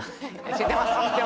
知ってます